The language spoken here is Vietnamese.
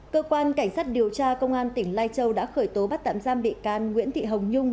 cơ quan cảnh sát điều tra công an tỉnh lai châu đã khởi tố bắt tạm giam bị can nguyễn thị hồng nhung